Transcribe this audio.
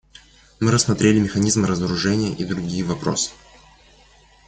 Мы рассмотрели механизм разоружения и другие вопросы.